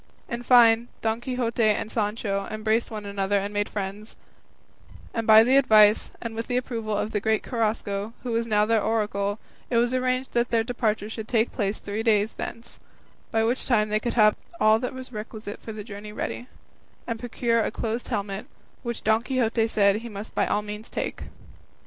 In fine, Don Quixote and Sancho embraced one another and made friends, and by the advice and with the approval of the great Carrasco, who was now their oracle, it was arranged that their departure should take place three days thence, by which time they could have all that was requisite for the journey ready, and procure a closed helmet, which Don Quixote said he must by all means take.